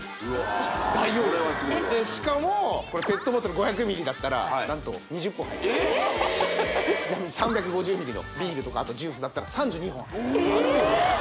しかもこれペットボトル５００ｍｌだったら何と２０本入ります３５０ｍｌのビールとかジュースだったら３２本入りますえっ